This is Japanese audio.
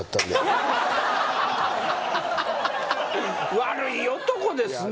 悪い男ですね